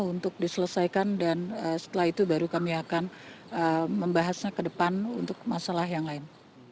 untuk diselesaikan dan setelah itu baru kami akan membahasnya ke depan untuk masalah yang lain